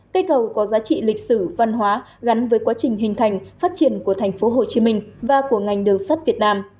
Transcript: cây cầu có giá trị lịch sử văn hóa gắn với quá trình hình thành phát triển của tp hcm và của ngành đường sắt việt nam